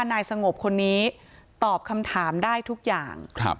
นายสงบคนนี้ตอบคำถามได้ทุกอย่าง